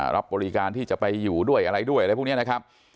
รับบริการที่จะไปอยู่ด้วยอะไรด้วยอะไรพวกนี้นะครับ